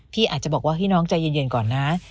อาจจะบอกว่าพี่น้องใจเย็นก่อนนะ